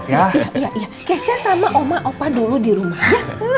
ya ya saya sama oma opa dulu di rumah